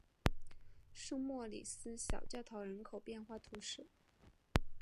圣莫里斯小教堂人口变化图示